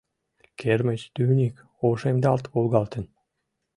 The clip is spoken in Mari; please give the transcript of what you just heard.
Кермыч тӱньык ошемдалт волгалтын